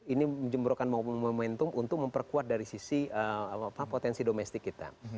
ini menjembrokan momentum untuk memperkuat dari sisi potensi domestik kita